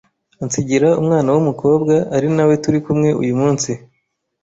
ansigira umwana w’umukobwa ari nawe turi kumwe uyu munsi